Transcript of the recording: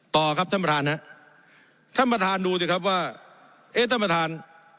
ต่อครับท่านประธานฮะท่านประธานดูสิครับว่าเอ๊ะท่านประธาน